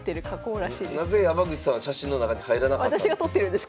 なぜ山口さんは写真の中に入らなかったんですか？